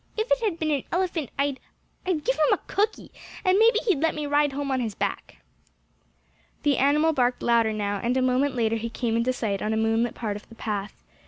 "If it had been an elephant I I'd give him a cookie, and maybe he'd let me ride home on his back." The animal barked louder now, and a moment later he came into sight on a moonlit part of the path.